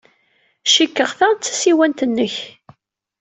Cikkeɣ ta d tasiwant-nnek.